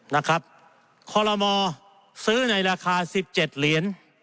นะครับคอลโลมอซื้อในราคาสิบเจ็ดเหรียญ